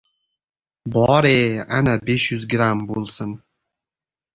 Bor-e, ana besh yuz gramm boʻlsin.